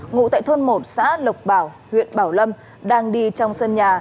ngụ tại thôn một xã lộc bảo huyện bảo lâm đang đi trong sân nhà